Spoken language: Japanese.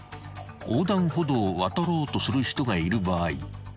［横断歩道を渡ろうとする人がいる場合